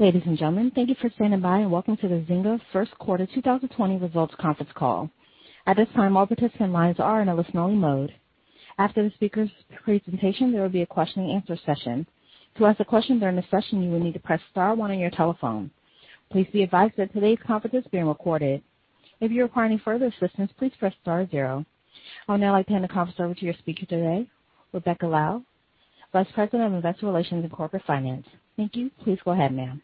Ladies and gentlemen, thank you for standing by, welcome to the Zynga first quarter 2020 results conference call. At this time, all participant lines are in a listen-only mode. After the speaker's presentation, there will be a question and answer session. To ask a question during the session, you will need to press star one on your telephone. Please be advised that today's conference is being recorded. If you require any further assistance, please press star zero. I'll now hand the conference over to your speaker today, Rebecca Lau, Vice President of Investor Relations and Corporate Finance. Thank you. Please go ahead, ma'am.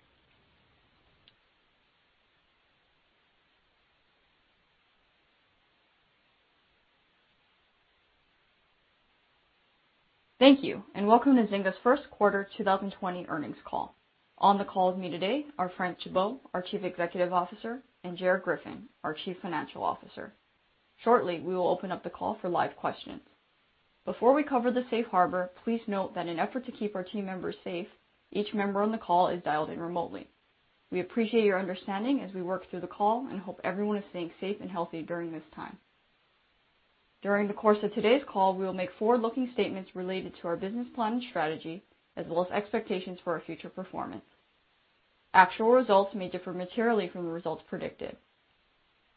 Thank you, welcome to Zynga's first quarter 2020 earnings call. On the call with me today are Frank Gibeau, our Chief Executive Officer, and Gerard Griffin, our Chief Financial Officer. Shortly, we will open up the call for live questions. Before we cover the safe harbor, please note that in effort to keep our team members safe, each member on the call is dialed in remotely. We appreciate your understanding as we work through the call and hope everyone is staying safe and healthy during this time. During the course of today's call, we will make forward-looking statements related to our business plan and strategy, as well as expectations for our future performance. Actual results may differ materially from the results predicted.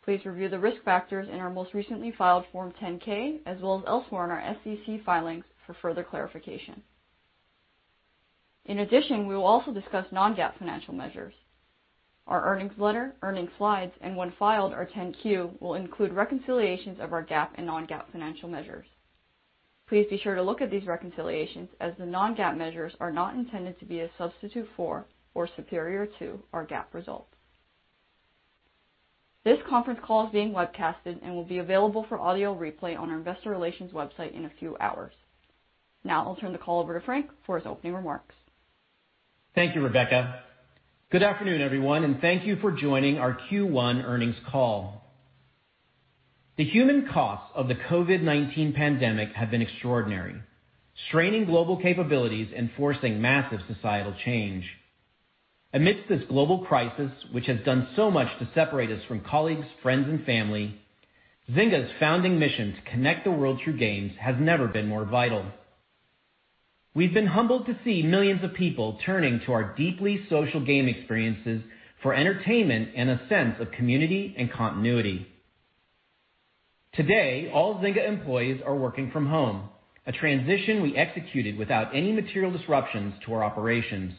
Please review the risk factors in our most recently filed Form 10-K, as well as elsewhere in our SEC filings for further clarification. We will also discuss non-GAAP financial measures. Our earnings letter, earnings slides, and when filed, our 10-Q will include reconciliations of our GAAP and non-GAAP financial measures. Please be sure to look at these reconciliations as the non-GAAP measures are not intended to be a substitute for or superior to our GAAP results. This conference call is being webcasted and will be available for audio replay on our investor relations website in a few hours. I'll turn the call over to Frank for his opening remarks. Thank you, Rebecca. Good afternoon, everyone, and thank you for joining our Q1 earnings call. The human costs of the COVID-19 pandemic have been extraordinary, straining global capabilities and forcing massive societal change. Amidst this global crisis, which has done so much to separate us from colleagues, friends, and family, Zynga's founding mission to connect the world through games has never been more vital. We've been humbled to see millions of people turning to our deeply social game experiences for entertainment and a sense of community and continuity. Today, all Zynga employees are working from home, a transition we executed without any material disruptions to our operations.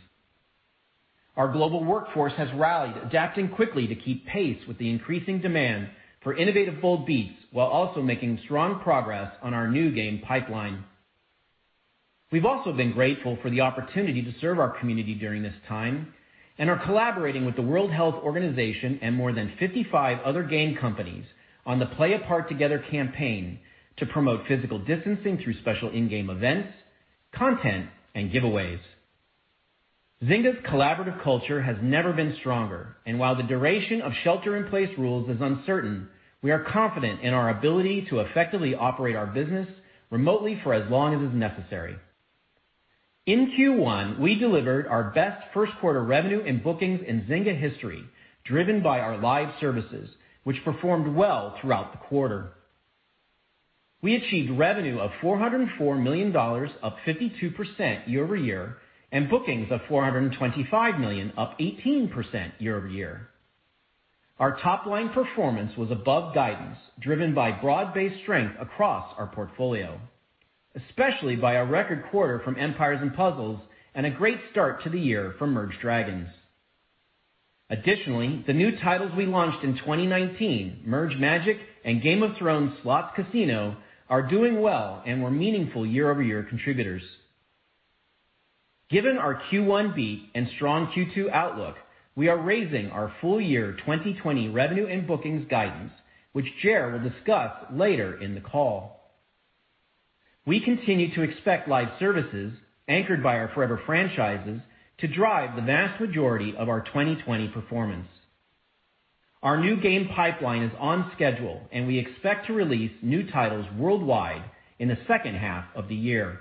Our global workforce has rallied, adapting quickly to keep pace with the increasing demand for innovative Bold Beats while also making strong progress on our new game pipeline. We've also been grateful for the opportunity to serve our community during this time and are collaborating with the World Health Organization and more than 55 other game companies on the #PlayApartTogether campaign to promote physical distancing through special in-game events, content, and giveaways. Zynga's collaborative culture has never been stronger. While the duration of shelter-in-place rules is uncertain, we are confident in our ability to effectively operate our business remotely for as long as is necessary. In Q1, we delivered our best first quarter revenue in bookings in Zynga history, driven by Live Services, which performed well throughout the quarter. We achieved revenue of $404 million, up 52% year-over-year, and bookings of $425 million, up 18% year-over-year. Our top-line performance was above guidance, driven by broad-based strength across our portfolio, especially by a record quarter from Empires & Puzzles, and a great start to the year for Merge Dragons! The new titles we launched in 2019, Merge Magic! and Game of Thrones™ Slots Casino, are doing well and were meaningful year-over-year contributors. Given our Q1 beat and strong Q2 outlook, we are raising our full year 2020 revenue and bookings guidance, which Ger will discuss later in the call. We continue to Live Services, anchored by our forever franchises, to drive the vast majority of our 2020 performance. Our new game pipeline is on schedule, we expect to release new titles worldwide in the second half of the year.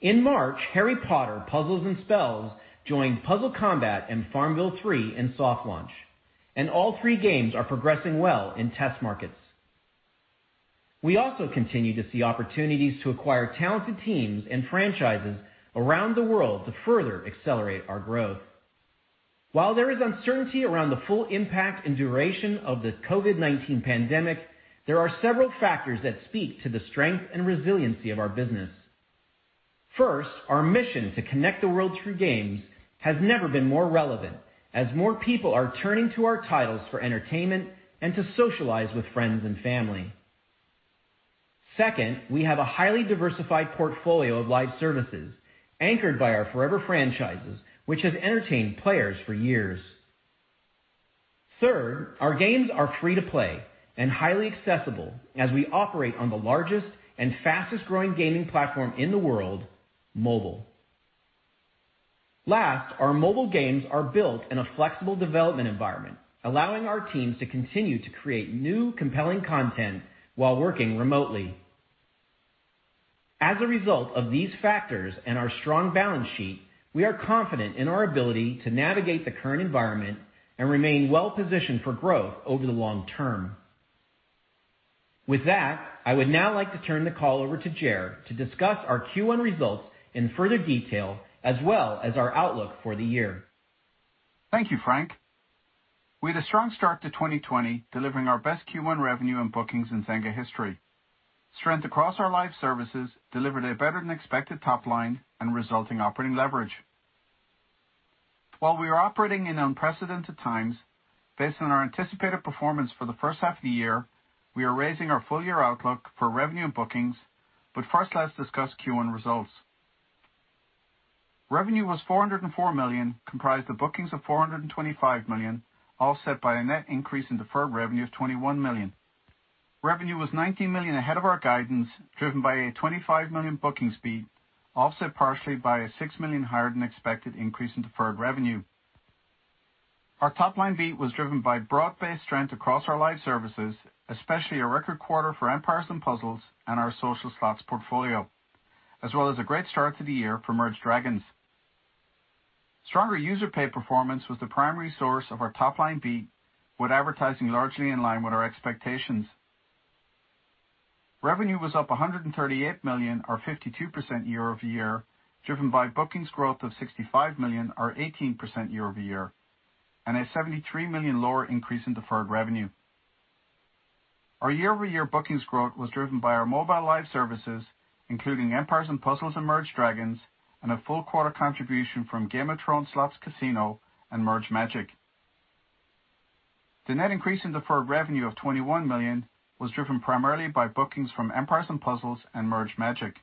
In March, Harry Potter: Puzzles & Spells joined Puzzle Combat and FarmVille 3 in soft launch, and all three games are progressing well in test markets. We also continue to see opportunities to acquire talented teams and franchises around the world to further accelerate our growth. While there is uncertainty around the full impact and duration of the COVID-19 pandemic, there are several factors that speak to the strength and resiliency of our business. First, our mission to connect the world through games has never been more relevant as more people are turning to our titles for entertainment and to socialize with friends and family. Second, we have a highly diversified portfolio Live Services anchored by our forever franchises, which have entertained players for years. Third, our games are free to play and highly accessible as we operate on the largest and fastest growing gaming platform in the world, mobile. Last, our mobile games are built in a flexible development environment, allowing our teams to continue to create new, compelling content while working remotely. As a result of these factors and our strong balance sheet, we are confident in our ability to navigate the current environment and remain well positioned for growth over the long term. With that, I would now like to turn the call over to Ger to discuss our Q1 results in further detail, as well as our outlook for the year. Thank you, Frank. We had a strong start to 2020, delivering our best Q1 revenue and bookings in Zynga history. Strength across Live Services delivered a better-than-expected top line and resulting operating leverage. While we are operating in unprecedented times, based on our anticipated performance for the first half of the year, we are raising our full-year outlook for revenue and bookings. First, let's discuss Q1 results. Revenue was $404 million, comprised of bookings of $425 million, offset by a net increase in deferred revenue of $21 million. Revenue was $19 million ahead of our guidance, driven by a $25 million bookings beat, offset partially by a $6 million higher-than-expected increase in deferred revenue. Our top-line beat was driven by broad-based strength across Live Services, especially a record quarter for Empires & Puzzles and our Social Slots portfolio, as well as a great start to the year for Merge Dragons!. Stronger user pay performance was the primary source of our top-line beat, with advertising largely in line with our expectations. Revenue was up $138 million or 52% year-over-year, driven by bookings growth of $65 million or 18% year-over-year, and a $73 million lower increase in deferred revenue. Our year-over-year bookings growth was driven by our Live Services, including Empires & Puzzles and Merge Dragons!, and a full quarter contribution from Game of Thrones™ Slots Casino and Merge Magic!. The net increase in deferred revenue of $21 million was driven primarily by bookings from Empires & Puzzles and Merge Magic!.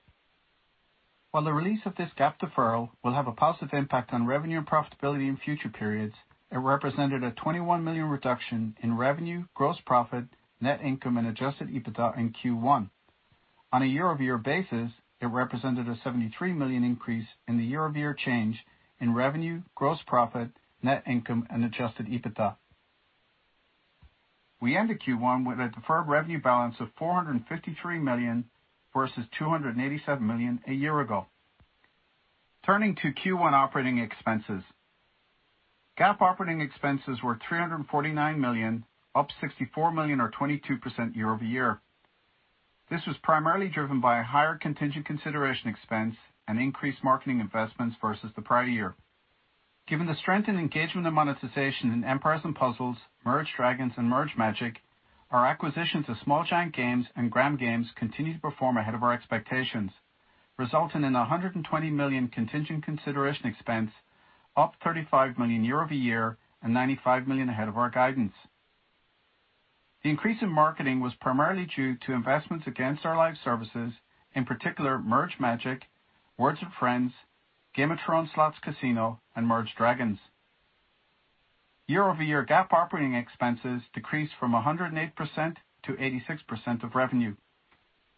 While the release of this GAAP deferral will have a positive impact on revenue and profitability in future periods, it represented a $21 million reduction in revenue, gross profit, net income, and Adjusted EBITDA in Q1. On a year-over-year basis, it represented a $73 million increase in the year-over-year change in revenue, gross profit, net income, and Adjusted EBITDA. We ended Q1 with a deferred revenue balance of $453 million versus $287 million a year ago. Turning to Q1 operating expenses. GAAP operating expenses were $349 million, up $64 million or 22% year-over-year. This was primarily driven by a higher contingent consideration expense and increased marketing investments versus the prior year. Given the strength in engagement and monetization in Empires & Puzzles, Merge Dragons!, and Merge Magic!, our acquisitions of Small Giant Games and Gram Games continue to perform ahead of our expectations, resulting in a $120 million contingent consideration expense, up $35 million year-over-year, and $95 million ahead of our guidance. The increase in marketing was primarily due to investments against Live Services, in particular Merge Magic!, Words With Friends, Game of Thrones™ Slots Casino, and Merge Dragons!. Year-over-year GAAP operating expenses decreased from 108% to 86% of revenue.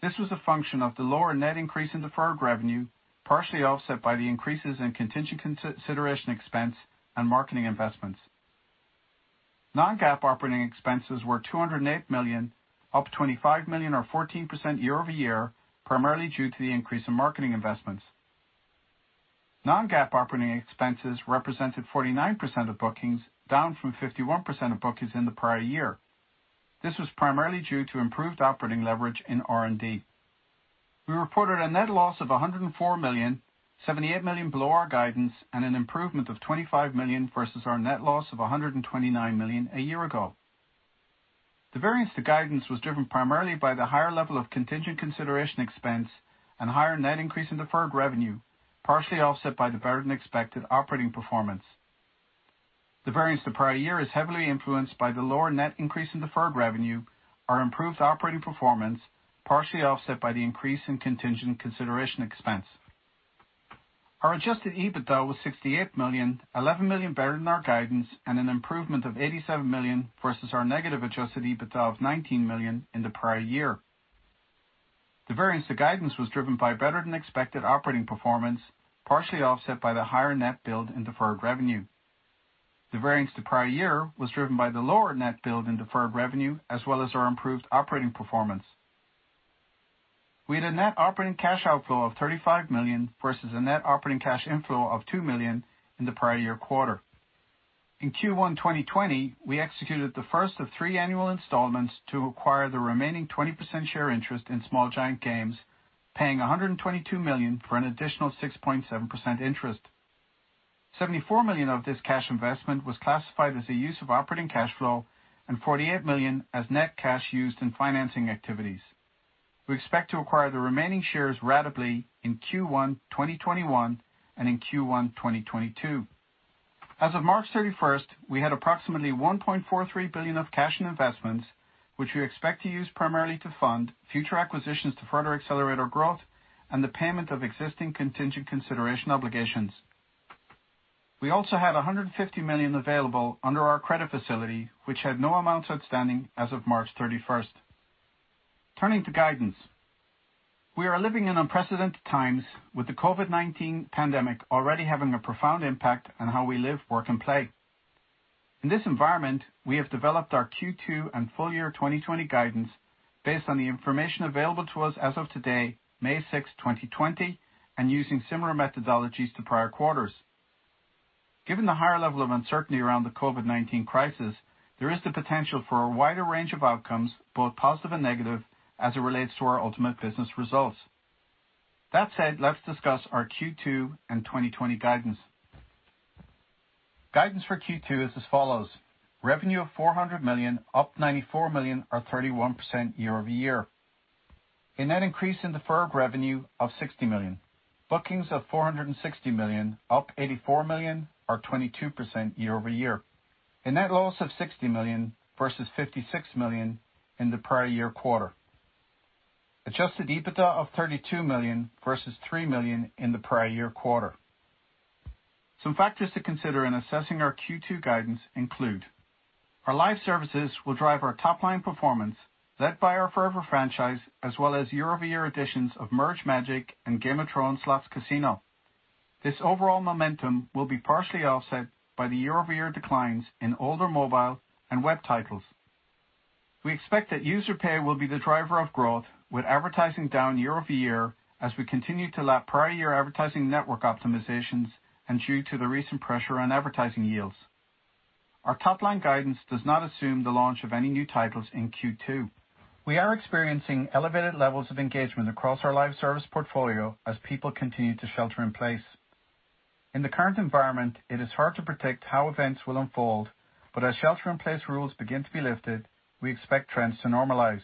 This was a function of the lower net increase in deferred revenue, partially offset by the increases in contingent consideration expense and marketing investments. Non-GAAP operating expenses were $208 million, up $25 million or 14% year-over-year, primarily due to the increase in marketing investments. Non-GAAP operating expenses represented 49% of bookings, down from 51% of bookings in the prior year. This was primarily due to improved operating leverage in R&D. We reported a net loss of $104 million, $78 million below our guidance, and an improvement of $25 million versus our net loss of $129 million a year ago. The variance to guidance was driven primarily by the higher level of contingent consideration expense and higher net increase in deferred revenue, partially offset by the better-than-expected operating performance. The variance to prior year is heavily influenced by the lower net increase in deferred revenue, our improved operating performance, partially offset by the increase in contingent consideration expense. Our Adjusted EBITDA was $68 million, $11 million better than our guidance, and an improvement of $87 million versus our negative Adjusted EBITDA of $19 million in the prior year. The variance to guidance was driven by better-than-expected operating performance, partially offset by the higher net build in deferred revenue. The variance to prior year was driven by the lower net build in deferred revenue, as well as our improved operating performance. We had a net operating cash outflow of $35 million versus a net operating cash inflow of $2 million in the prior year quarter. In Q1 2020, we executed the first of three annual installments to acquire the remaining 20% share interest in Small Giant Games, paying $122 million for an additional 6.7% interest. $74 million of this cash investment was classified as a use of operating cash flow and $48 million as net cash used in financing activities. We expect to acquire the remaining shares ratably in Q1 2021 and in Q1 2022. As of March 31st, we had approximately $1.43 billion of cash in investments, which we expect to use primarily to fund future acquisitions to further accelerate our growth and the payment of existing contingent consideration obligations. We also have $150 million available under our credit facility, which had no amounts outstanding as of March 31st. Turning to guidance. We are living in unprecedented times, with the COVID-19 pandemic already having a profound impact on how we live, work, and play. In this environment, we have developed our Q2 and full-year 2020 guidance based on the information available to us as of today, May 6, 2020, and using similar methodologies to prior quarters. Given the higher level of uncertainty around the COVID-19 crisis, there is the potential for a wider range of outcomes, both positive and negative, as it relates to our ultimate business results. Let's discuss our Q2 and 2020 guidance. Guidance for Q2 is as follows. Revenue of $400 million, up $94 million, or 31% year-over-year. A net increase in deferred revenue of $60 million. Bookings of $460 million, up $84 million, or 22% year-over-year. A net loss of $60 million versus $56 million in the prior year quarter. Adjusted EBITDA of $32 million versus $3 million in the prior year quarter. Some factors to consider in assessing our Q2 guidance include: Live Services will drive our top-line performance, led by our forever franchise as well as year-over-year additions of Merge Magic! and Game of Thrones™ Slots Casino. This overall momentum will be partially offset by the year-over-year declines in older mobile and web titles. We expect that user pay will be the driver of growth, with advertising down year-over-year as we continue to lap prior year advertising network optimizations and due to the recent pressure on advertising yields. Our top-line guidance does not assume the launch of any new titles in Q2. We are experiencing elevated levels of engagement across our Live Service portfolio as people continue to shelter in place. In the current environment, it is hard to predict how events will unfold. As shelter-in-place rules begin to be lifted, we expect trends to normalize.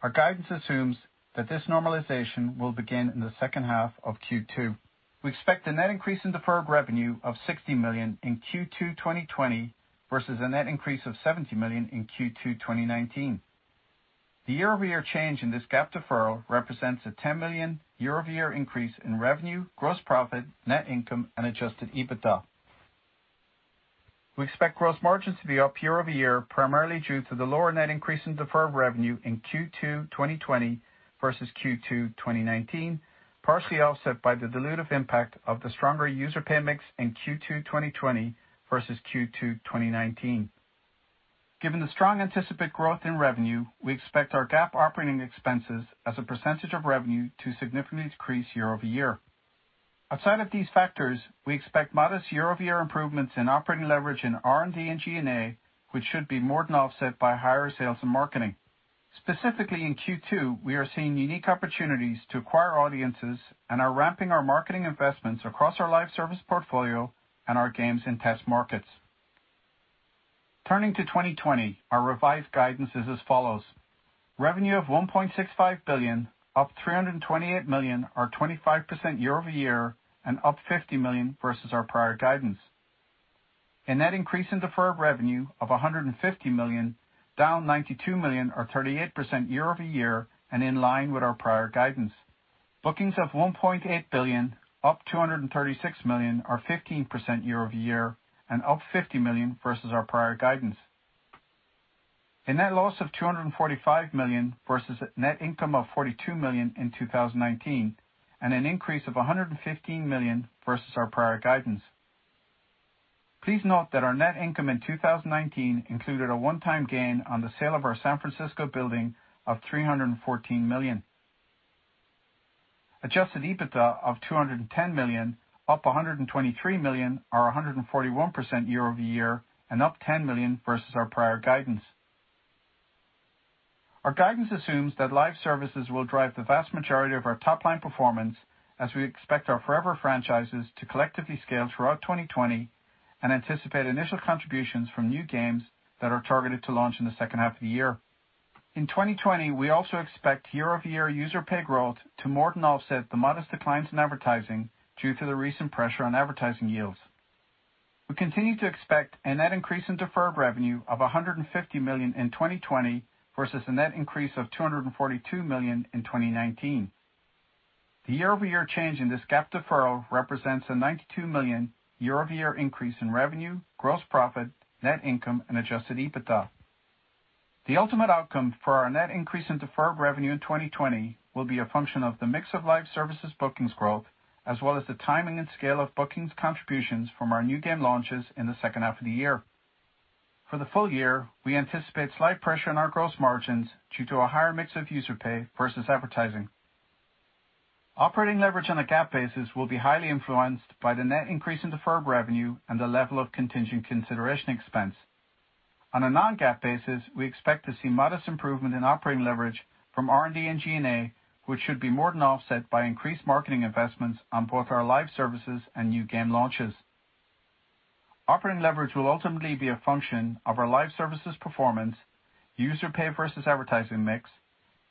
Our guidance assumes that this normalization will begin in the second half of Q2. We expect a net increase in deferred revenue of $60 million in Q2 2020 versus a net increase of $70 million in Q2 2019. The year-over-year change in this GAAP deferral represents a $10 million year-over-year increase in revenue, gross profit, net income, and Adjusted EBITDA. We expect gross margins to be up year-over-year, primarily due to the lower net increase in deferred revenue in Q2 2020 versus Q2 2019, partially offset by the dilutive impact of the stronger user pay mix in Q2 2020 versus Q2 2019. Given the strong anticipated growth in revenue, we expect our GAAP operating expenses as a percentage of revenue to significantly decrease year-over-year. Outside of these factors, we expect modest year-over-year improvements in operating leverage in R&D and G&A, which should be more than offset by higher sales and marketing. Specifically in Q2, we are seeing unique opportunities to acquire audiences and are ramping our marketing investments across our Live Service portfolio and our games in test markets. Turning to 2020, our revised guidance is as follows. Revenue of $1.65 billion, up $328 million, or 25% year-over-year, and up $50 million versus our prior guidance. A net increase in deferred revenue of $150 million, down $92 million, or 38% year-over-year, and in line with our prior guidance. Bookings of $1.8 billion, up $236 million, or 15% year-over-year, and up $50 million versus our prior guidance. A net loss of $245 million versus net income of $42 million in 2019, and an increase of $115 million versus our prior guidance. Please note that our net income in 2019 included a one-time gain on the sale of our San Francisco building of $314 million. Adjusted EBITDA of $210 million, up $123 million, or 141% year-over-year, and up $10 million versus our prior guidance. Our guidance assumes Live Services will drive the vast majority of our top-line performance as we expect our forever franchises to collectively scale throughout 2020 and anticipate initial contributions from new games that are targeted to launch in the second half of the year. In 2020, we also expect year-over-year user pay growth to more than offset the modest declines in advertising due to the recent pressure on advertising yields. We continue to expect a net increase in deferred revenue of $150 million in 2020 versus a net increase of $242 million in 2019. The year-over-year change in this GAAP deferral represents a $92 million year-over-year increase in revenue, gross profit, net income, and Adjusted EBITDA. The ultimate outcome for our net increase in deferred revenue in 2020 will be a function of the mix Live Services bookings growth, as well as the timing and scale of bookings contributions from our new game launches in the second half of the year. For the full year, we anticipate slight pressure on our gross margins due to a higher mix of user pay versus advertising. Operating leverage on a GAAP basis will be highly influenced by the net increase in deferred revenue and the level of contingent consideration expense. On a non-GAAP basis, we expect to see modest improvement in operating leverage from R&D and G&A, which should be more than offset by increased marketing investments on both Live Services and new game launches. Operating leverage will ultimately be a function of Live Services performance, user pay versus advertising mix,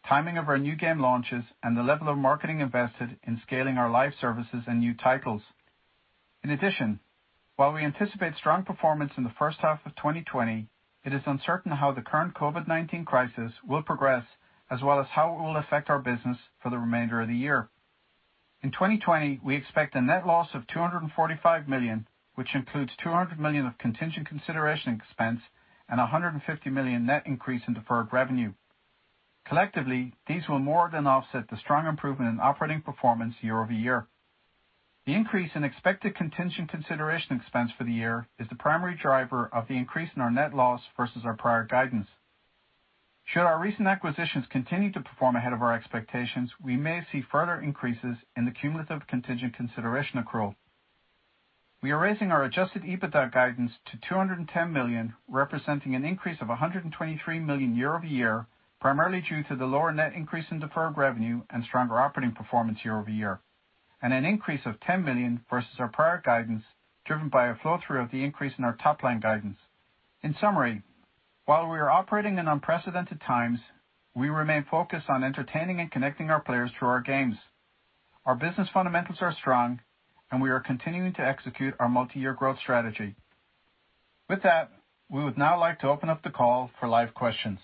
timing of our new game launches, and the level of marketing invested in scaling Live Services and new titles. In addition, while we anticipate strong performance in the first half of 2020, it is uncertain how the current COVID-19 crisis will progress, as well as how it will affect our business for the remainder of the year. In 2020, we expect a net loss of $245 million, which includes $200 million of contingent consideration expense and $150 million net increase in deferred revenue. Collectively, these will more than offset the strong improvement in operating performance year-over-year. The increase in expected contingent consideration expense for the year is the primary driver of the increase in our net loss versus our prior guidance. Should our recent acquisitions continue to perform ahead of our expectations, we may see further increases in the cumulative contingent consideration accrual. We are raising our Adjusted EBITDA guidance to $210 million, representing an increase of $123 million year-over-year, primarily due to the lower net increase in deferred revenue and stronger operating performance year-over-year, and an increase of $10 million versus our prior guidance, driven by a flow-through of the increase in our top-line guidance. In summary, while we are operating in unprecedented times, we remain focused on entertaining and connecting our players through our games. Our business fundamentals are strong, and we are continuing to execute our multi-year growth strategy. With that, we would now like to open up the call for live questions.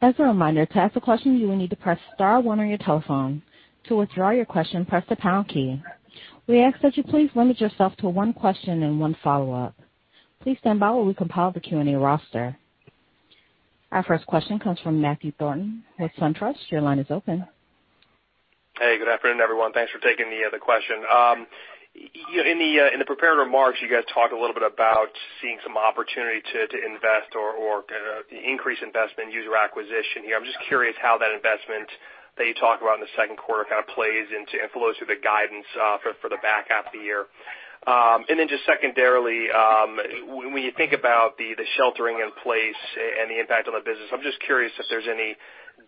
As a reminder, to ask a question, you will need to press star one on your telephone. To withdraw your question, press the pound key. We ask that you please limit yourself to one question and one follow-up. Please stand by while we compile the Q&A roster. Our first question comes from Matthew Thornton with SunTrust. Your line is open. Hey, good afternoon, everyone. Thanks for taking the other question. In the prepared remarks, you guys talked a little bit about seeing some opportunity to invest or increase investment in user acquisition here. I'm just curious how that investment that you talk about in the second quarter kind of plays into and flows through the guidance for the back half of the year. Then just secondarily, when you think about the sheltering in place and the impact on the business, I'm just curious if there's any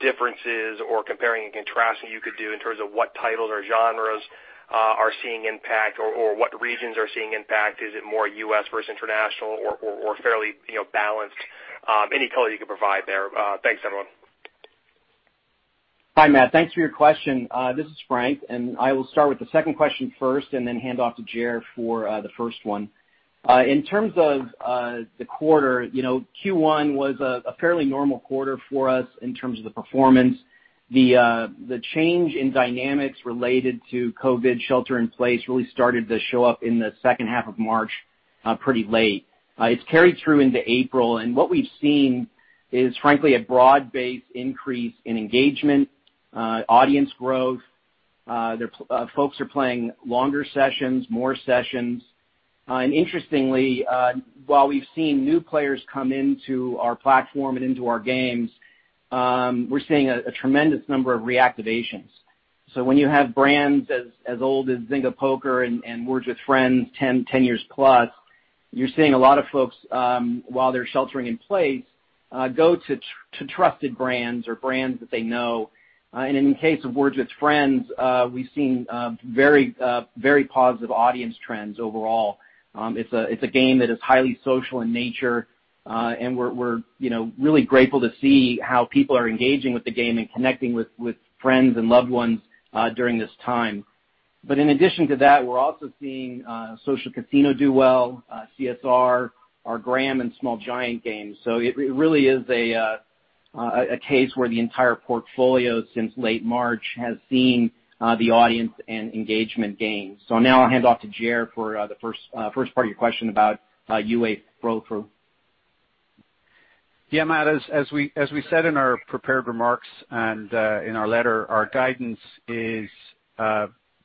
differences or comparing and contrasting you could do in terms of what titles or genres are seeing impact or what regions are seeing impact. Is it more U.S. versus international or fairly balanced? Any color you can provide there. Thanks, everyone. Hi, Matt. Thanks for your question. This is Frank, I will start with the second question first and then hand off to Ger for the first one. In terms of the quarter, Q1 was a fairly normal quarter for us in terms of the performance. The change in dynamics related to COVID shelter-in-place really started to show up in the second half of March pretty late. It's carried through into April, What we've seen is frankly a broad-based increase in engagement, audience growth. Folks are playing longer sessions, more sessions. Interestingly, while we've seen new players come into our platform and into our games, we're seeing a tremendous number of reactivations. When you have brands as old as Zynga Poker and Words With Friends, 10 years plus, you're seeing a lot of folks, while they're sheltering in place, go to trusted brands or brands that they know. In the case of Words With Friends, we've seen very positive audience trends overall. It's a game that is highly social in nature, and we're really grateful to see how people are engaging with the game and connecting with friends and loved ones during this time. In addition to that, we're also seeing Social Casino do well, CSR, our Gram and Small Giant Games. It really is a case where the entire portfolio since late March has seen the audience and engagement gains. Now I'll hand off to Ger for the first part of your question about UA flow-through. Yeah, Matt, as we said in our prepared remarks and in our letter, our guidance is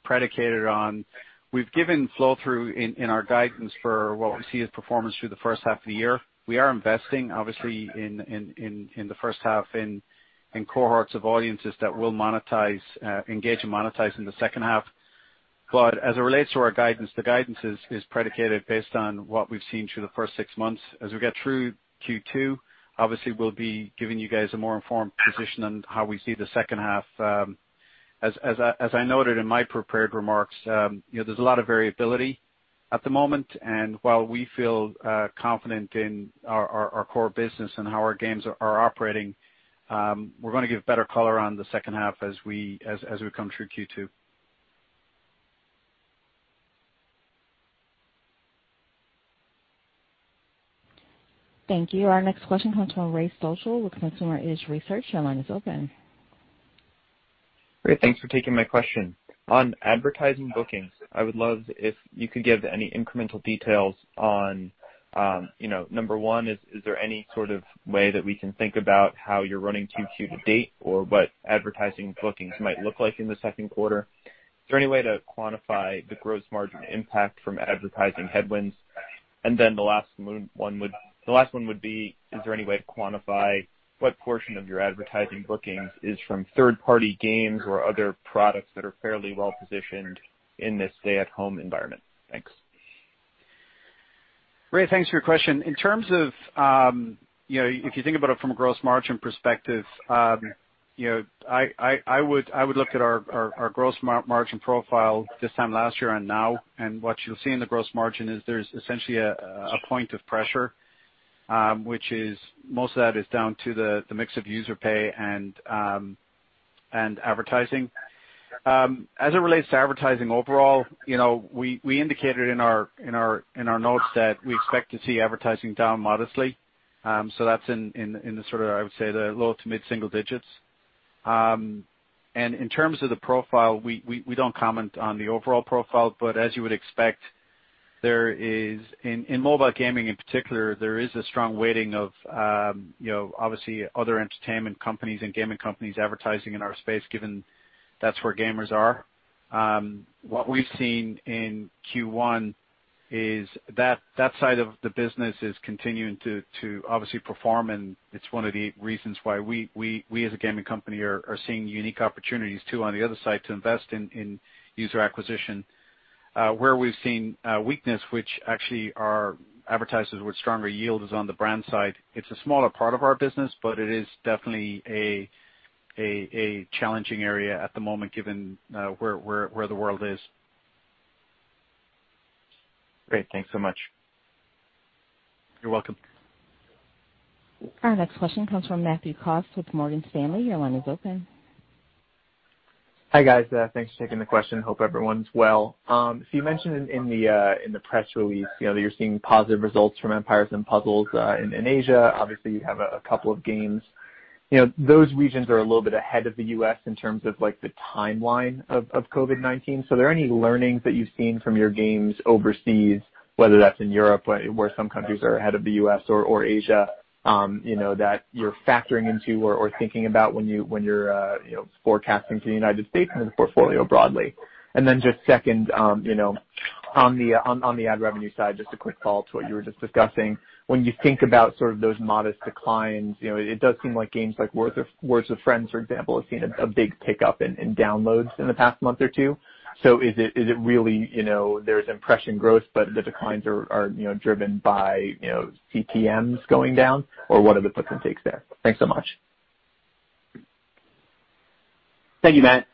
predicated on we've given flow-through in our guidance for what we see as performance through the first half of the year. We are investing, obviously, in the first half in cohorts of audiences that we'll engage and monetize in the second half. As it relates to our guidance, the guidance is predicated based on what we've seen through the first six months. As we get through Q2, obviously, we'll be giving you guys a more informed position on how we see the second half. As I noted in my prepared remarks, there's a lot of variability at the moment, and while we feel confident in our core business and how our games are operating, we're going to give better color on the second half as we come through Q2. Thank you. Our next question comes from Ray Stochel with Consumer Edge Research. Your line is open. Great. Thanks for taking my question. On advertising bookings, I would love if you could give any incremental details on, number one, is there any sort of way that we can think about how you're running 2Q to date or what advertising bookings might look like in the second quarter? Is there any way to quantify the gross margin impact from advertising headwinds? The last one would be, is there any way to quantify what portion of your advertising bookings is from third-party games or other products that are fairly well-positioned in this stay-at-home environment? Thanks. Ray, thanks for your question. In terms of if you think about it from a gross margin perspective, I would look at our gross margin profile this time last year and now, and what you'll see in the gross margin is there's essentially a point of pressure, which is most of that is down to the mix of user pay and advertising. As it relates to advertising overall, we indicated in our notes that we expect to see advertising down modestly. That's in the sort of, I would say, the low to mid-single digits. In terms of the profile, we don't comment on the overall profile, but as you would expect, in mobile gaming in particular, there is a strong weighting of obviously other entertainment companies and gaming companies advertising in our space, given that's where gamers are. What we've seen in Q1 is that side of the business is continuing to obviously perform. It's one of the reasons why we, as a gaming company, are seeing unique opportunities too, on the other side, to invest in user acquisition. Where we've seen weakness, which actually are advertisers with stronger yield, is on the brand side. It's a smaller part of our business, but it is definitely a challenging area at the moment, given where the world is. Great. Thanks so much. You're welcome. Our next question comes from Matthew Cost with Morgan Stanley. Your line is open. Hi, guys. Thanks for taking the question. Hope everyone's well. You mentioned in the press release that you're seeing positive results from Empires & Puzzles in Asia. Obviously, you have a couple of games. Those regions are a little bit ahead of the U.S. in terms of the timeline of COVID-19. Are there any learnings that you've seen from your games overseas, whether that's in Europe, where some countries are ahead of the U.S. or Asia, that you're factoring into or thinking about when you're forecasting for the United States and the portfolio broadly? Just second, on the ad revenue side, just a quick follow to what you were just discussing. When you think about sort of those modest declines, it does seem like games like Words With Friends, for example, have seen a big pickup in downloads in the past month or two. Is it really there's impression growth, but the declines are driven by CPMs going down? What are the puts and takes there? Thanks so much. Thank you, Matt.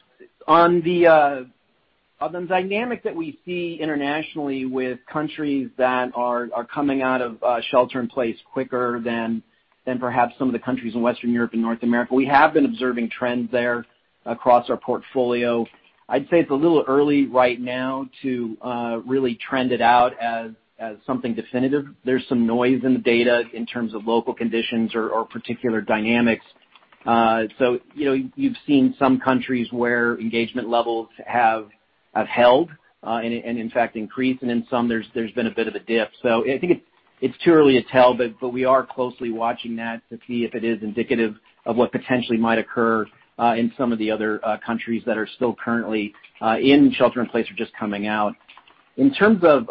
The dynamic that we see internationally with countries that are coming out of shelter in place quicker than perhaps some of the countries in Western Europe and North America, we have been observing trends there across our portfolio. I'd say it's a little early right now to really trend it out as something definitive. There's some noise in the data in terms of local conditions or particular dynamics. You've seen some countries where engagement levels have held, and in fact increased. In some there's been a bit of a dip. I think it's too early to tell, but we are closely watching that to see if it is indicative of what potentially might occur in some of the other countries that are still currently in shelter in place or just coming out. In terms of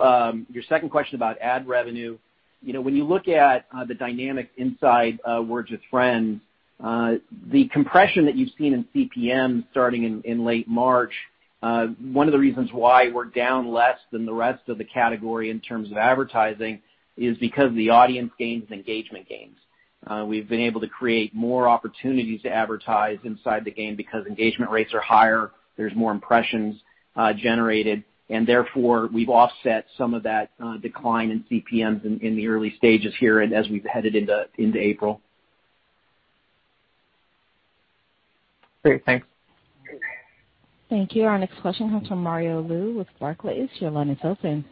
your second question about ad revenue, when you look at the dynamics inside Words With Friends, the compression that you've seen in CPM starting in late March, one of the reasons why we're down less than the rest of the category in terms of advertising is because the audience gains and engagement gains. We've been able to create more opportunities to advertise inside the game because engagement rates are higher, there's more impressions generated. Therefore, we've offset some of that decline in CPMs in the early stages here and as we've headed into April. Great. Thanks. Thank you. Our next question comes from Mario Lu with Barclays. Your line is open.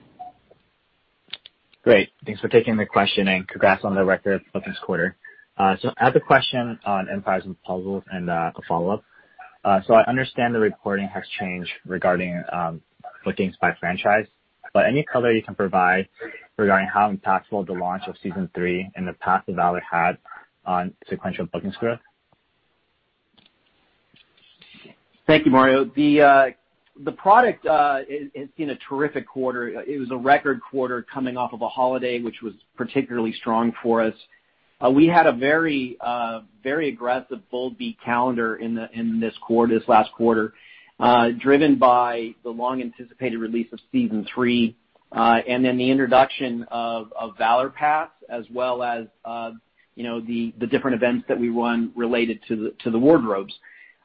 Great. Thanks for taking the question and congrats on the record bookings quarter. I have a question on Empires & Puzzles and a follow-up. I understand the reporting has changed regarding bookings by franchise, but any color you can provide regarding how impactful the launch of season three and the Path of Valor had on sequential bookings growth? Thank you, Mario. The product has seen a terrific quarter. It was a record quarter coming off of a holiday, which was particularly strong for us. We had a very aggressive Bold Beat calendar in this last quarter, driven by the long-anticipated release of season three, and then the introduction of Valor Pass, as well as the different events that we won related to the wardrobes.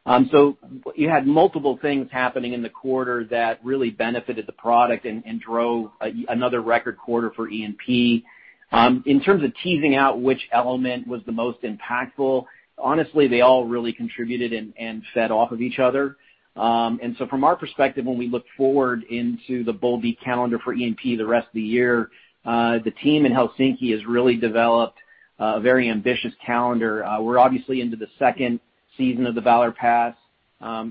You had multiple things happening in the quarter that really benefited the product and drove another record quarter for E&P. In terms of teasing out which element was the most impactful, honestly, they all really contributed and fed off of each other. From our perspective, when we look forward into the Bold Beat calendar for E&P the rest of the year, the team in Helsinki has really developed a very ambitious calendar. We're obviously into the second season of the Valor Pass.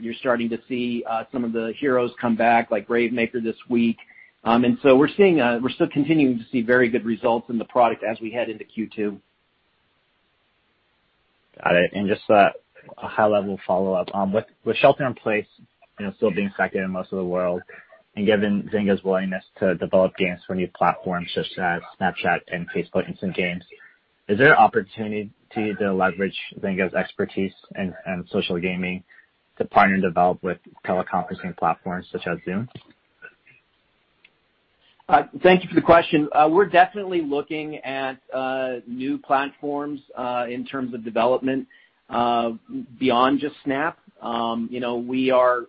You're starting to see some of the heroes come back, like Gravemaker this week. We're still continuing to see very good results in the product as we head into Q2. Just a high-level follow-up. With shelter in place still being effective in most of the world, and given Zynga's willingness to develop games for new platforms such as Snapchat and Facebook Instant Games, is there an opportunity to leverage Zynga's expertise in social gaming to partner and develop with teleconferencing platforms such as Zoom? Thank you for the question. We're definitely looking at new platforms in terms of development beyond just Snap. We are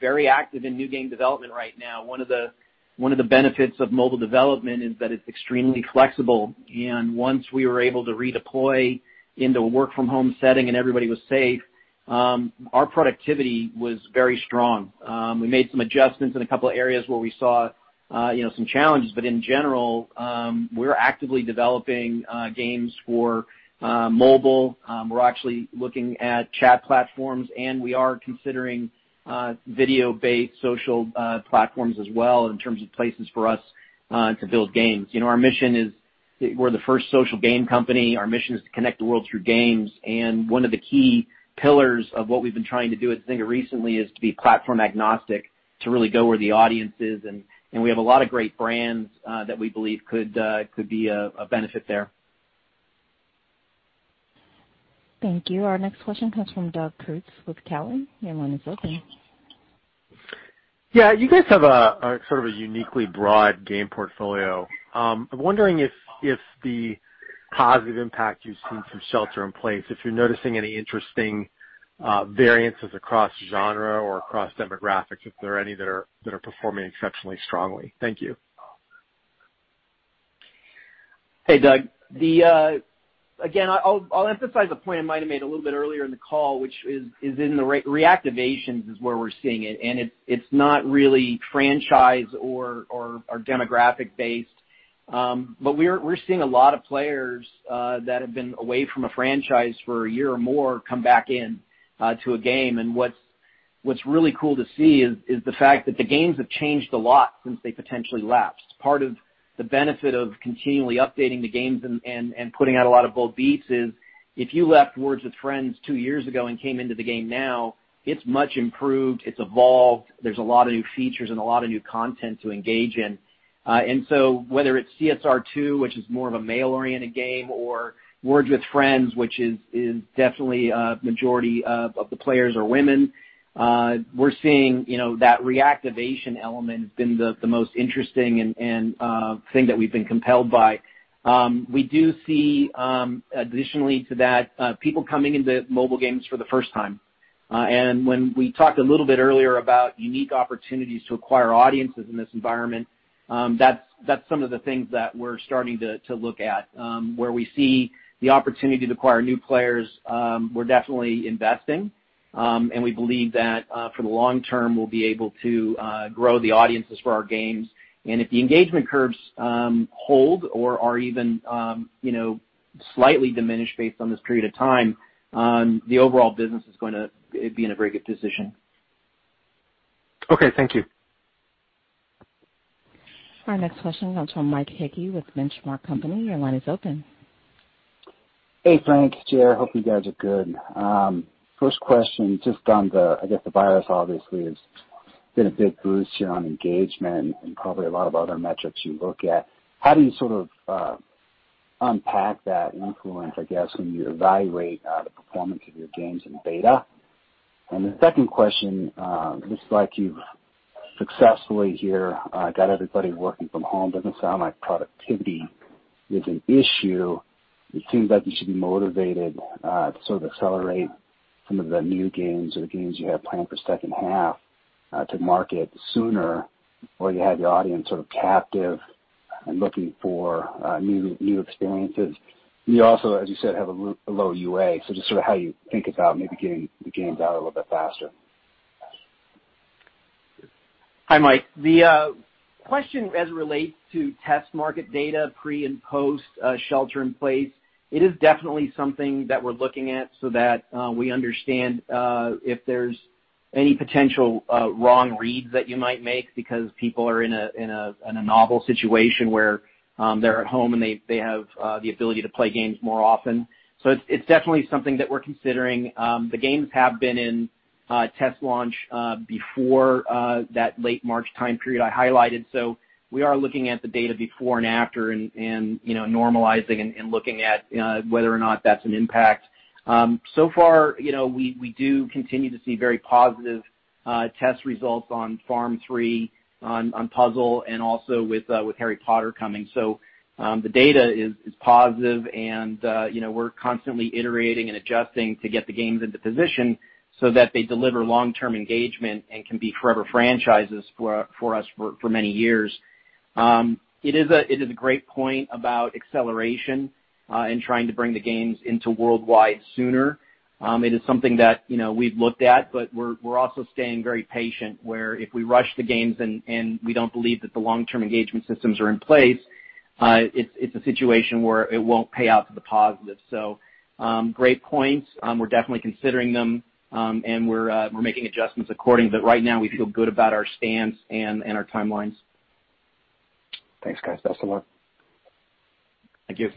very active in new game development right now. One of the benefits of mobile development is that it's extremely flexible, and once we were able to redeploy into a work-from-home setting and everybody was safe, our productivity was very strong. We made some adjustments in a couple of areas where we saw some challenges, but in general, we're actively developing games for mobile. We're actually looking at chat platforms, and we are considering video-based social platforms as well in terms of places for us to build games. We're the first social game company. Our mission is to connect the world through games. One of the key pillars of what we've been trying to do at Zynga recently is to be platform agnostic, to really go where the audience is, and we have a lot of great brands that we believe could be a benefit there. Thank you. Our next question comes from Doug Creutz with Cowen. Your line is open. Yeah. You guys have a sort of a uniquely broad game portfolio. I'm wondering if the positive impact you've seen from shelter in place, if you're noticing any interesting variances across genre or across demographics, if there are any that are performing exceptionally strongly. Thank you. Hey, Doug. I'll emphasize a point I might've made a little bit earlier in the call, which is in the reactivations is where we're seeing it, and it's not really franchise or demographic based. We're seeing a lot of players that have been away from a franchise for a year or more come back in to a game. What's really cool to see is the fact that the games have changed a lot since they potentially lapsed. Part of the benefit of continually updating the games and putting out a lot of Bold Beats is if you left Words With Friends two years ago and came into the game now, it's much improved. It's evolved. There's a lot of new features and a lot of new content to engage in. Whether it's CSR2, which is more of a male-oriented game, or Words With Friends, which is definitely a majority of the players are women, we're seeing that reactivation element has been the most interesting and thing that we've been compelled by. We do see, additionally to that, people coming into mobile games for the first time. When we talked a little bit earlier about unique opportunities to acquire audiences in this environment, that's some of the things that we're starting to look at. Where we see the opportunity to acquire new players, we're definitely investing. We believe that, for the long term, we'll be able to grow the audiences for our games. If the engagement curves hold or are even slightly diminished based on this period of time, the overall business is going to be in a very good position. Okay. Thank you. Our next question comes from Mike Hickey with Benchmark Company. Your line is open. Hey, Frank, Ger. Hope you guys are good. First question, just on the, I guess the virus obviously has been a big boost here on engagement and probably a lot of other metrics you look at. How do you sort of unpack that influence, I guess, when you evaluate the performance of your games in beta? The second question, looks like you've successfully here got everybody working from home. Doesn't sound like productivity is an issue. It seems like you should be motivated to sort of accelerate some of the new games or the games you have planned for second half to market sooner while you have your audience sort of captive and looking for new experiences. You also, as you said, have a low UA, just sort of how you think about maybe getting the games out a little bit faster. Hi, Mike. The question as it relates to test market data pre and post shelter in place, it is definitely something that we're looking at so that we understand if there's any potential wrong reads that you might make because people are in a novel situation where they're at home, and they have the ability to play games more often. It's definitely something that we're considering. The games have been in test launch before that late March time period I highlighted. We are looking at the data before and after and normalizing and looking at whether or not that's an impact. So far, we do continue to see very positive test results on Farm 3, on Puzzle, and also with Harry Potter coming. The data is positive and we're constantly iterating and adjusting to get the games into position so that they deliver long-term engagement and can be forever franchises for us for many years. It is a great point about acceleration and trying to bring the games into worldwide sooner. It is something that we've looked at, but we're also staying very patient, where if we rush the games and we don't believe that the long-term engagement systems are in place, it's a situation where it won't pay out to the positive. Great points. We're definitely considering them. We're making adjustments accordingly. Right now, we feel good about our stance and our timelines. Thanks, guys. That's all. Thank you.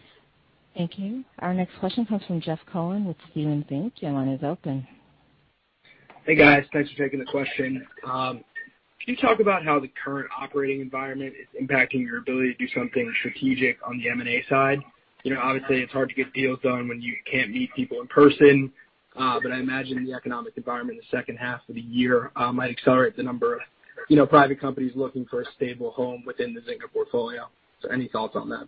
Thank you. Our next question comes from Jeff Cohen with Stephens Inc. Your line is open. Hey, guys. Thanks for taking the question. Can you talk about how the current operating environment is impacting your ability to do something strategic on the M&A side? Obviously, it's hard to get deals done when you can't meet people in person. I imagine the economic environment in the second half of the year might accelerate the number of private companies looking for a stable home within the Zynga portfolio. Any thoughts on that?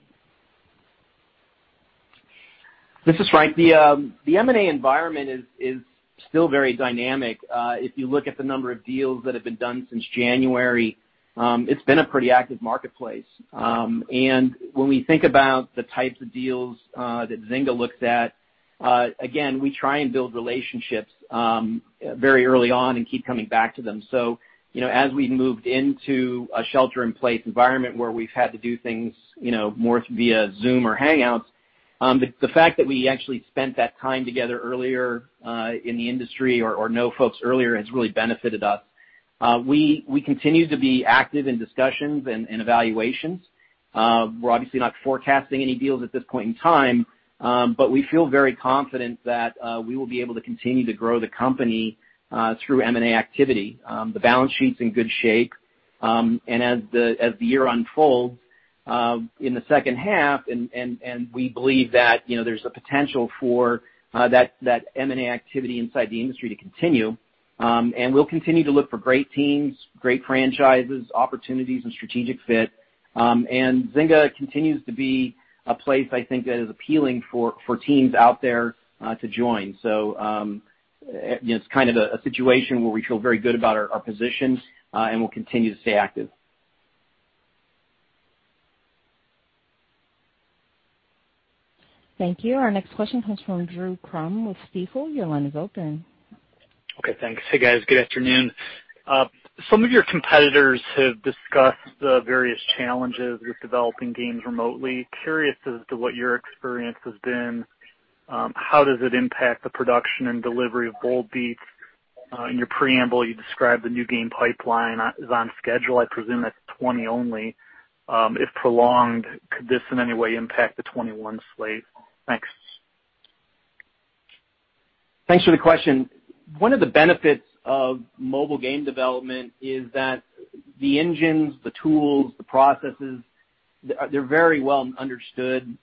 This is Frank. The M&A environment is still very dynamic. If you look at the number of deals that have been done since January, it's been a pretty active marketplace. When we think about the types of deals that Zynga looks at, again, we try and build relationships very early on and keep coming back to them. As we moved into a shelter-in-place environment where we've had to do things more via Zoom or Hangouts, the fact that we actually spent that time together earlier in the industry or know folks earlier has really benefited us. We continue to be active in discussions and evaluations. We're obviously not forecasting any deals at this point in time, but we feel very confident that we will be able to continue to grow the company through M&A activity. The balance sheet's in good shape. As the year unfolds in the second half, and we believe that there's a potential for that M&A activity inside the industry to continue. We'll continue to look for great teams, great franchises, opportunities, and strategic fit. Zynga continues to be a place, I think, that is appealing for teams out there to join. It's kind of a situation where we feel very good about our position, and we'll continue to stay active. Thank you. Our next question comes from Drew Crum with Stifel. Your line is open. Okay, thanks. Hey, guys. Good afternoon. Some of your competitors have discussed the various challenges with developing games remotely. Curious as to what your experience has been. How does it impact the production and delivery of Bold Beats? In your preamble, you described the new game pipeline is on schedule. I presume that's 2020 only. If prolonged, could this in any way impact the 2021 slate? Thanks. Thanks for the question. One of the benefits of mobile game development is that the engines, the tools, the processes, they're very well understood.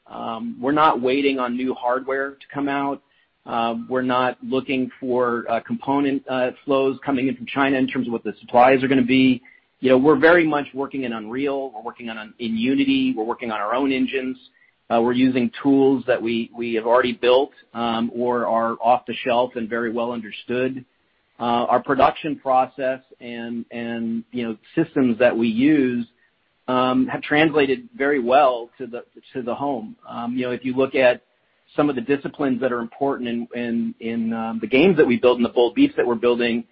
We're not waiting on new hardware to come out. We're not looking for component flows coming in from China in terms of what the supplies are going to be. We're very much working in Unreal. We're working in Unity. We're working on our own engines. We're using tools that we have already built or are off the shelf and very well understood. Our production process and systems that we use have translated very well to the home. If you look at some of the disciplines that are important in the games that we build and the Bold Beats that we're building,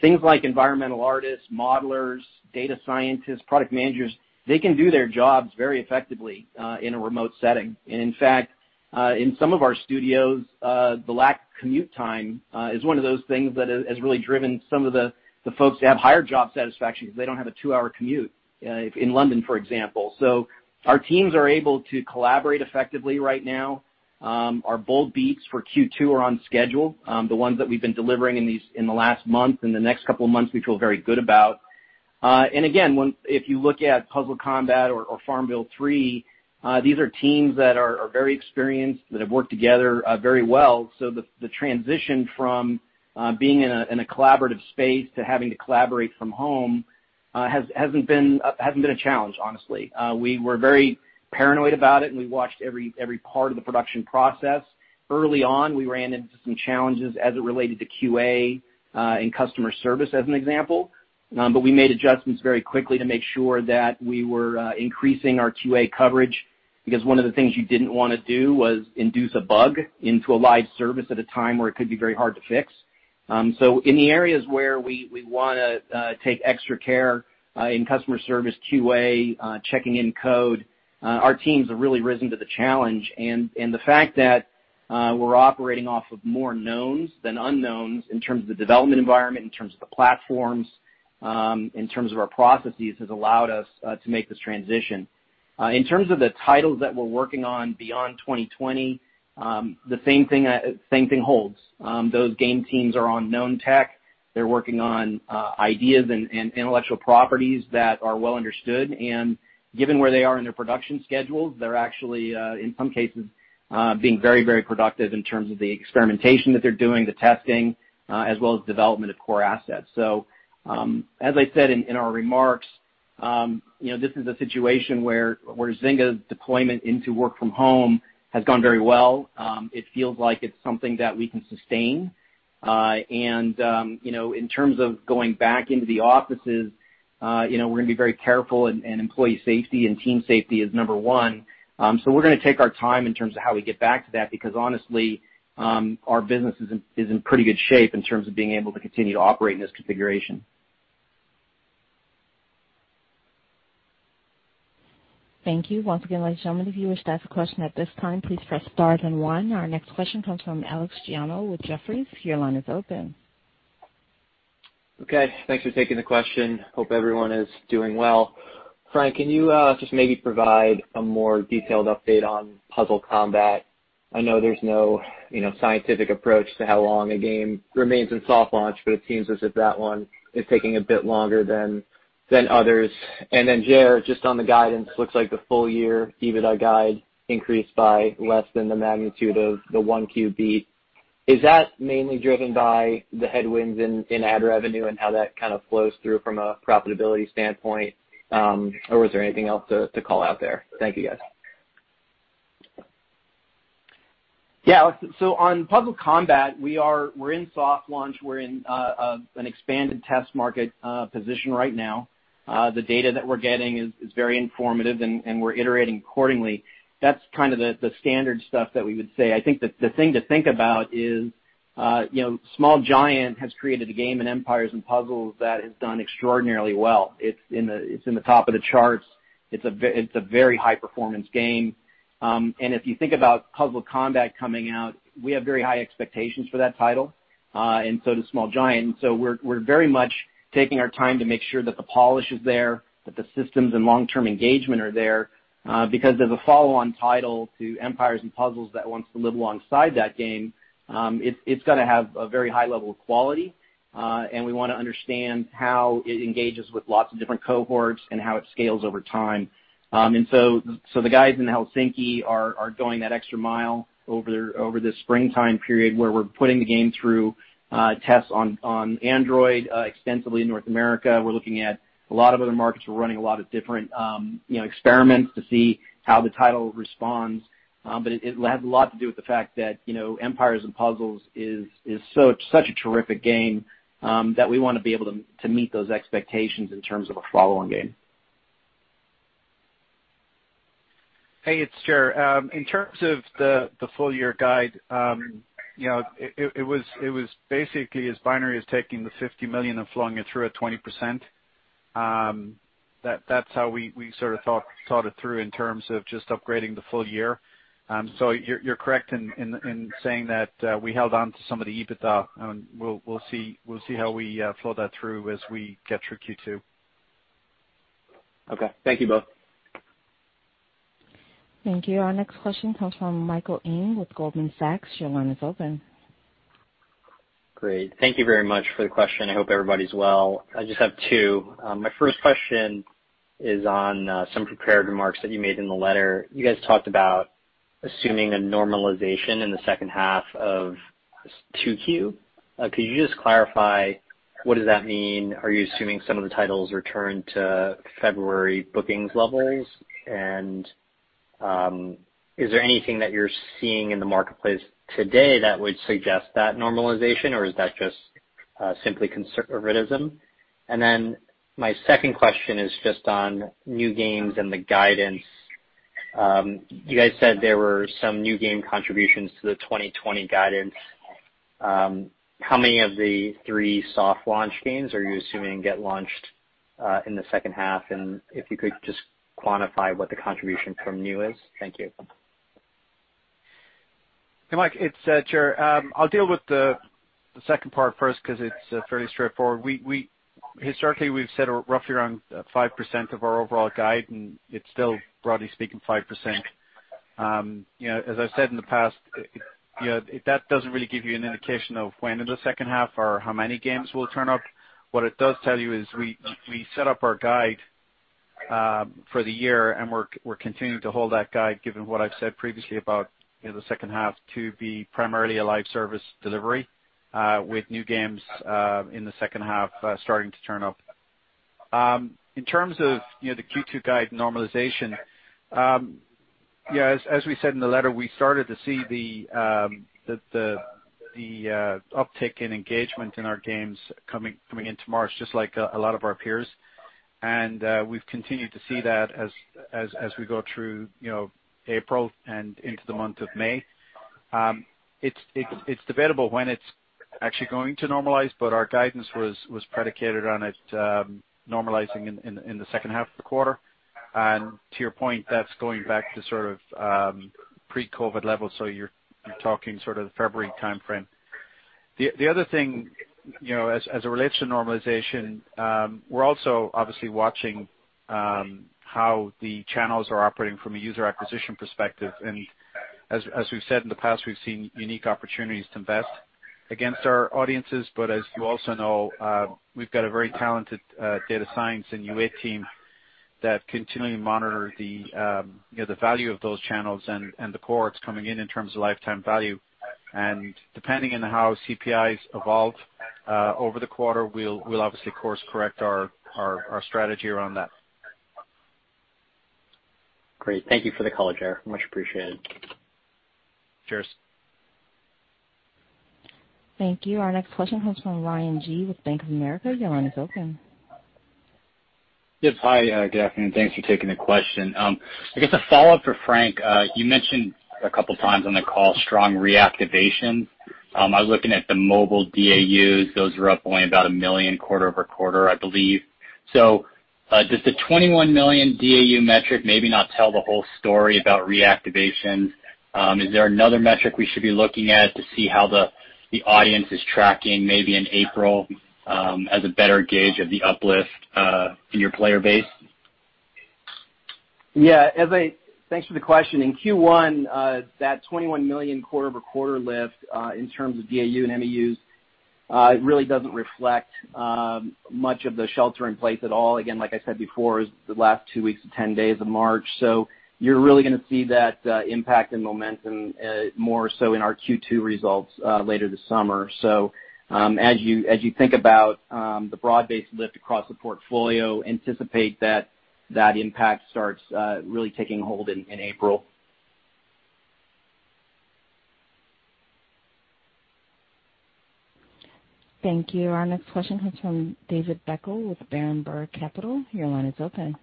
things like environmental artists, modelers, data scientists, product managers, they can do their jobs very effectively in a remote setting. In fact, in some of our studios the lack of commute time is one of those things that has really driven some of the folks to have higher job satisfaction because they don't have a two-hour commute in London, for example. Our teams are able to collaborate effectively right now. Our Bold Beats for Q2 are on schedule. The ones that we've been delivering in the last month and the next couple of months we feel very good about. Again, if you look at Puzzle Combat or FarmVille 3, these are teams that are very experienced, that have worked together very well. The transition from being in a collaborative space to having to collaborate from home hasn't been a challenge, honestly. We were very paranoid about it, and we watched every part of the production process. Early on, we ran into some challenges as it related to QA and customer service, as an example. We made adjustments very quickly to make sure that we were increasing our QA coverage, because one of the things you didn't want to do was induce a bug into a Live Service at a time where it could be very hard to fix. In the areas where we want to take extra care in customer service, QA, checking in code, our teams have really risen to the challenge. The fact that we're operating off of more knowns than unknowns in terms of the development environment, in terms of the platforms, in terms of our processes, has allowed us to make this transition. In terms of the titles that we're working on beyond 2020, the same thing holds. Those game teams are on known tech. They're working on ideas and intellectual properties that are well understood. Given where they are in their production schedules, they're actually, in some cases, being very productive in terms of the experimentation that they're doing, the testing, as well as development of core assets. As I said in our remarks, this is a situation where Zynga's deployment into work from home has gone very well. It feels like it's something that we can sustain. In terms of going back into the offices, we're going to be very careful, and employee safety and team safety is number one. We're going to take our time in terms of how we get back to that, because honestly, our business is in pretty good shape in terms of being able to continue to operate in this configuration. Thank you. Once again, ladies and gentlemen, if you wish to ask a question at this time, please press star then one. Our next question comes from Alex Giaimo with Jefferies. Your line is open. Okay. Thanks for taking the question. Hope everyone is doing well. Frank, can you just maybe provide a more detailed update on Puzzle Combat? I know there's no scientific approach to how long a game remains in soft launch, but it seems as if that one is taking a bit longer than others. Ger, just on the guidance, looks like the full-year EBITDA guide increased by less than the magnitude of the 1Q beat. Is that mainly driven by the headwinds in ad revenue and how that kind of flows through from a profitability standpoint? Was there anything else to call out there? Thank you, guys. Yeah, Alex, on Puzzle Combat, we're in soft launch. We're in an expanded test market position right now. The data that we're getting is very informative, and we're iterating accordingly. That's kind of the standard stuff that we would say. I think the thing to think about is Small Giant has created a game in Empires & Puzzles that has done extraordinarily well. It's in the top of the charts. It's a very high-performance game. If you think about Puzzle Combat coming out, we have very high expectations for that title, and so does Small Giant. We're very much taking our time to make sure that the polish is there, that the systems and long-term engagement are there. Because as a follow-on title to Empires & Puzzles that wants to live alongside that game, it's going to have a very high level of quality. We want to understand how it engages with lots of different cohorts and how it scales over time. The guys in Helsinki are going that extra mile over the springtime period where we're putting the game through tests on Android extensively in North America. We're looking at a lot of other markets. We're running a lot of different experiments to see how the title responds. It has a lot to do with the fact that Empires & Puzzles is such a terrific game that we want to be able to meet those expectations in terms of a follow-on game. Hey, it's Ger. In terms of the full-year guide, it was basically as binary as taking the $50 million and flowing it through at 20%. That's how we sort of thought it through in terms of just upgrading the full year. You're correct in saying that we held on to some of the EBITDA, and we'll see how we flow that through as we get through Q2. Okay. Thank you both. Thank you. Our next question comes from Michael Ng with Goldman Sachs. Your line is open. Great. Thank you very much for the question. I hope everybody's well. I just have two. My first question is on some prepared remarks that you made in the letter. You guys talked about assuming a normalization in the second half of 2Q. Could you just clarify what does that mean? Are you assuming some of the titles return to February bookings levels? Is there anything that you're seeing in the marketplace today that would suggest that normalization, or is that just simply conservatism? My second question is just on new games and the guidance. You guys said there were some new game contributions to the 2020 guidance. How many of the three soft launch games are you assuming get launched in the second half? If you could just quantify what the contribution from new is. Thank you. Hey, Mike, it's Ger. I'll deal with the second part first because it's fairly straightforward. Historically, we've said roughly around 5% of our overall guide, and it's still, broadly speaking, 5%. As I said in the past, that doesn't really give you an indication of when in the second half or how many games will turn up. What it does tell you is we set up our guide for the year, and we're continuing to hold that guide, given what I've said previously about the second half to be primarily a Live Service delivery with new games in the second half starting to turn up. In terms of the Q2 guide normalization, as we said in the letter, we started to see the uptick in engagement in our games coming into March, just like a lot of our peers. We've continued to see that as we go through April and into the month of May. It's debatable when it's actually going to normalize, but our guidance was predicated on it normalizing in the second half of the quarter. To your point, that's going back to sort of pre-COVID levels, so you're talking sort of the February timeframe. The other thing, as it relates to normalization, we're also obviously watching how the channels are operating from a user acquisition perspective. As we've said in the past, we've seen unique opportunities to invest against our audiences. As you also know, we've got a very talented data science and UA team that continually monitor the value of those channels and the cohorts coming in terms of lifetime value. Depending on how CPIs evolve over the quarter, we'll obviously course correct our strategy around that. Great. Thank you for the call, Ger. Much appreciated. Cheers. Thank you. Our next question comes from Ryan Gee with Bank of America. Your line is open. Yes. Hi, good afternoon. Thanks for taking the question. I guess a follow-up for Frank. You mentioned a couple of times on the call strong reactivation. I was looking at the mobile DAUs. Those were up only about 1 million quarter-over-quarter, I believe. Does the 21 million DAU metric maybe not tell the whole story about reactivation? Is there another metric we should be looking at to see how the audience is tracking, maybe in April, as a better gauge of the uplift in your player base? Thanks for the question. In Q1, that 21 million quarter-over-quarter lift in terms of DAU and MAUs really doesn't reflect much of the shelter in place at all. Again, like I said before, the last two weeks to 10 days of March. You're really going to see that impact and momentum more so in our Q2 results later this summer. As you think about the broad-based lift across the portfolio, anticipate that that impact starts really taking hold in April. Thank you. Our next question comes from David Beckel with Berenberg Capital. Your line is open.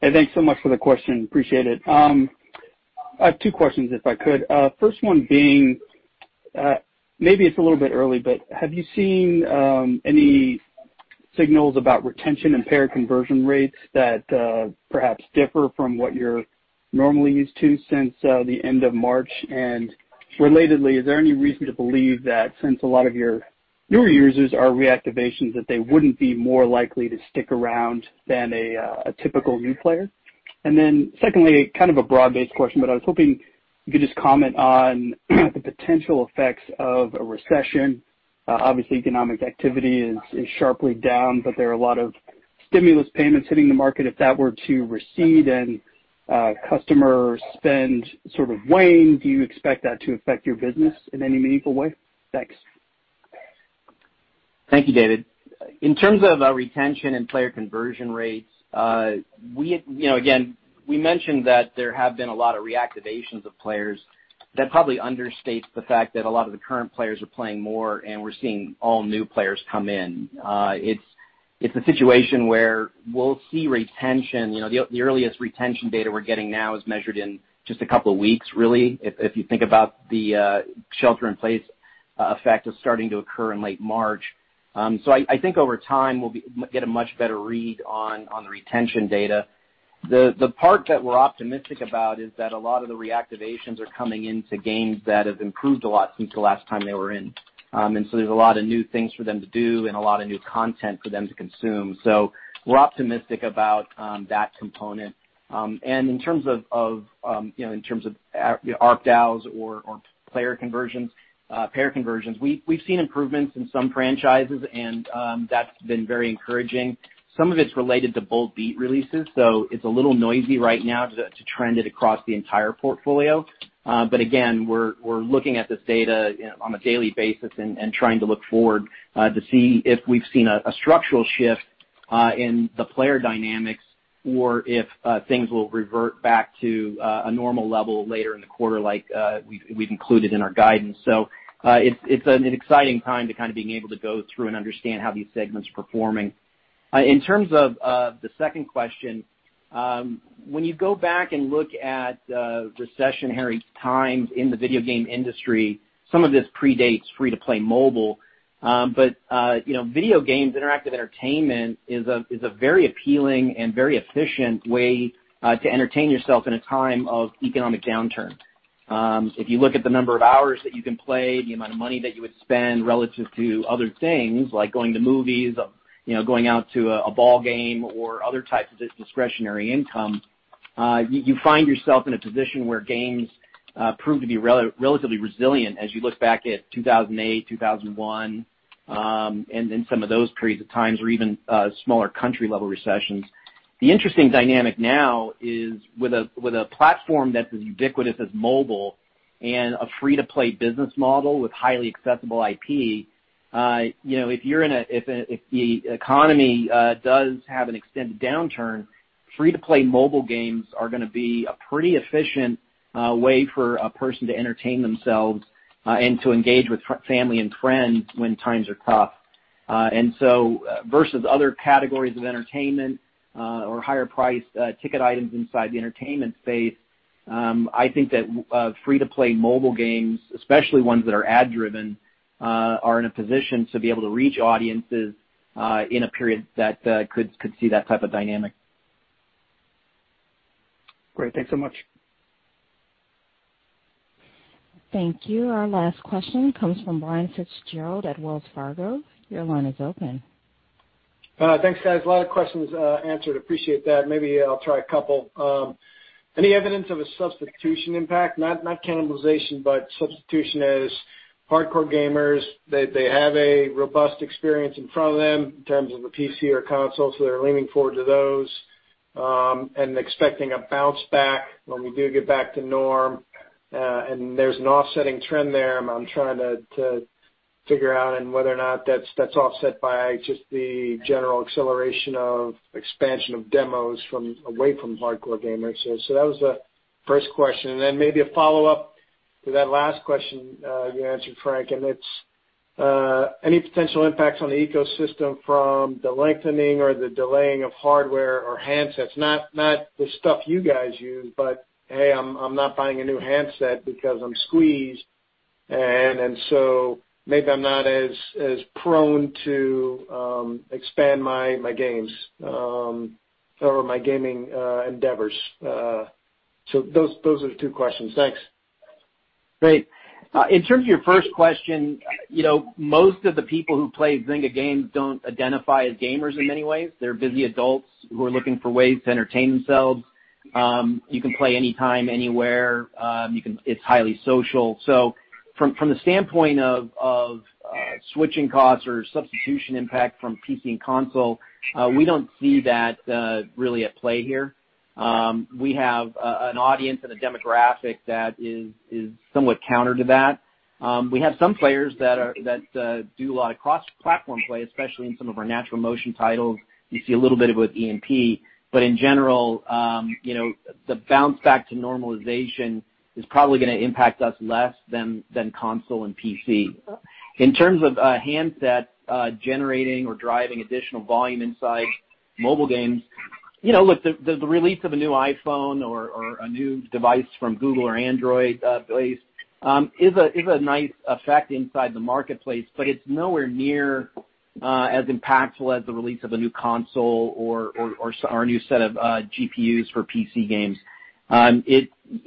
Hey, thanks so much for the question. Appreciate it. I have two questions, if I could. First one being, maybe it's a little bit early, but have you seen any signals about retention and player conversion rates that perhaps differ from what you're normally used to since the end of March? Relatedly, is there any reason to believe that since a lot of your newer users are reactivations, that they wouldn't be more likely to stick around than a typical new player? Secondly, kind of a broad-based question, but I was hoping you could just comment on the potential effects of a recession. Obviously, economic activity is sharply down, but there are a lot of stimulus payments hitting the market. If that were to recede and customer spend sort of wane, do you expect that to affect your business in any meaningful way? Thanks. Thank you, David. In terms of our retention and player conversion rates, again, we mentioned that there have been a lot of reactivations of players. That probably understates the fact that a lot of the current players are playing more, and we're seeing all new players come in. It's a situation where we'll see retention. The earliest retention data we're getting now is measured in just a couple of weeks, really, if you think about the shelter in place effect as starting to occur in late March. I think over time, we'll get a much better read on the retention data. The part that we're optimistic about is that a lot of the reactivations are coming into games that have improved a lot since the last time they were in. There's a lot of new things for them to do and a lot of new content for them to consume. We're optimistic about that component. In terms of ARPDAUs or player conversions, payer conversions, we've seen improvements in some franchises, and that's been very encouraging. Some of it's related to Bold Beat releases, so it's a little noisy right now to trend it across the entire portfolio. Again, we're looking at this data on a daily basis and trying to look forward to see if we've seen a structural shift in the player dynamics or if things will revert back to a normal level later in the quarter like we've included in our guidance. It's an exciting time to being able to go through and understand how each segment's performing. In terms of the second question, when you go back and look at recessionary times in the video game industry, some of this predates free-to-play mobile. Video games, interactive entertainment is a very appealing and very efficient way to entertain yourself in a time of economic downturn. If you look at the number of hours that you can play, the amount of money that you would spend relative to other things like going to movies, going out to a ball game or other types of discretionary income, you find yourself in a position where games prove to be relatively resilient as you look back at 2008, 2001, then some of those periods of times or even smaller country-level recessions. The interesting dynamic now is with a platform that's as ubiquitous as mobile and a free-to-play business model with highly accessible IP. If the economy does have an extended downturn, free-to-play mobile games are going to be a pretty efficient way for a person to entertain themselves and to engage with family and friends when times are tough. Versus other categories of entertainment or higher priced ticket items inside the entertainment space, I think that free-to-play mobile games, especially ones that are ad-driven, are in a position to be able to reach audiences in a period that could see that type of dynamic. Great. Thanks so much. Thank you. Our last question comes from Brian FitzGerald at Wells Fargo. Your line is open. Thanks, guys. A lot of questions answered. Appreciate that. Maybe I'll try a couple. Any evidence of a substitution impact, not cannibalization, but substitution as hardcore gamers, they have a robust experience in front of them in terms of the PC or consoles, so they're leaning forward to those, expecting a bounce back when we do get back to norm. There's an offsetting trend there I'm trying to figure out and whether or not that's offset by just the general acceleration of expansion of demos away from hardcore gamers. That was the first question. Then maybe a follow-up to that last question you answered, Frank, and it's any potential impacts on the ecosystem from the lengthening or the delaying of hardware or handsets? Not the stuff you guys use, but, hey, I'm not buying a new handset because I'm squeezed, and so maybe I'm not as prone to expand my games or my gaming endeavors. Those are the two questions. Thanks. Great. In terms of your first question, most of the people who play Zynga games don't identify as gamers in many ways. They're busy adults who are looking for ways to entertain themselves. You can play anytime, anywhere. It's highly social. From the standpoint of switching costs or substitution impact from PC and console, we don't see that really at play here. We have an audience and a demographic that is somewhat counter to that. We have some players that do a lot of cross-platform play, especially in some of our NaturalMotion titles. You see a little bit of it with E&P. In general the bounce back to normalization is probably going to impact us less than console and PC. In terms of handsets generating or driving additional volume inside mobile games, look, the release of a new iPhone or a new device from Google or Android is a nice effect inside the marketplace, but it's nowhere near as impactful as the release of a new console or a new set of GPUs for PC games.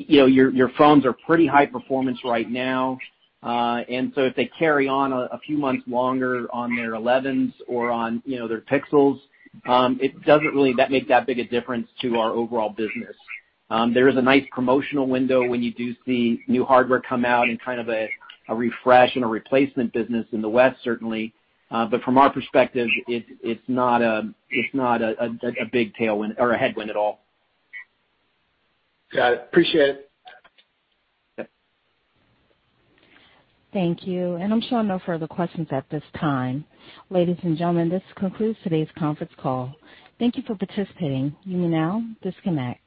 Your phones are pretty high performance right now. If they carry on a few months longer on their 11s or on their Pixels, it doesn't really make that big a difference to our overall business. There is a nice promotional window when you do see new hardware come out and kind of a refresh and a replacement business in the West, certainly. From our perspective, it's not a big headwind at all. Got it. Appreciate it. Yep. Thank you. I'm showing no further questions at this time. Ladies and gentlemen, this concludes today's conference call. Thank you for participating. You may now disconnect.